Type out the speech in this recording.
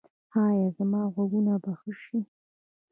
ایا زما غوږونه به ښه شي؟